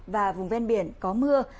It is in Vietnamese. và vùng ven biển có mưa